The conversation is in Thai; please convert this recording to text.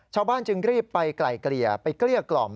ชาวบ้านจึงรีบไปไกลเกลี่ยไปเกลี้ยกล่อม